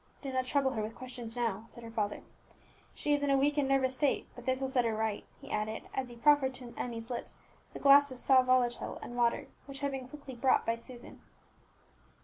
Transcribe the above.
"Do not trouble her with questions now," said her father; "she is in a weak and nervous state, but this will set her right," he added, as he proffered to Emmie's lips the glass of sal volatile and water which had been quickly brought by Susan.